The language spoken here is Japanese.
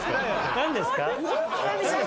何ですか？